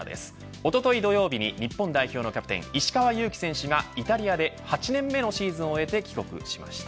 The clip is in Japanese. おととい土曜日に、日本代表のキャプテン、石川祐希選手がイタリアで８年目のシーズンを終えて、帰国しました。